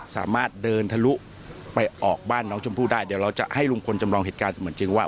สามารถเดินทะลุไปออกบ้านน้องชมพู่ได้เดี๋ยวเราจะให้ลุงพลจำลองเหตุการณ์เสมือนจริงว่า